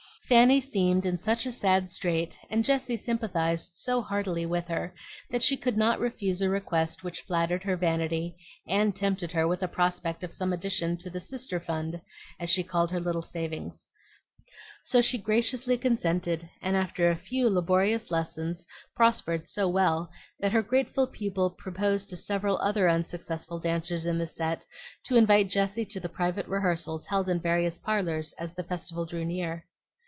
Fanny seemed in such a sad strait, and Jessie sympathized so heartily with her, that she could not refuse a request which flattered her vanity and tempted her with a prospect of some addition to the "Sister fund," as she called her little savings. So she graciously consented, and after a few laborious lessons prospered so well that her grateful pupil proposed to several other unsuccessful dancers in the set to invite Jessie to the private rehearsals held in various parlors as the festival drew near.